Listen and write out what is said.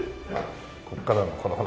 ここからのこのほら。